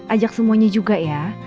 ajak semuanya juga ya